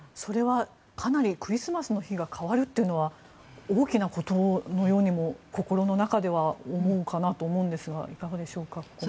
クリスマスの日が変わるというのは大きなことのようにも心の中では思うかなと思いますがいかがでしょう？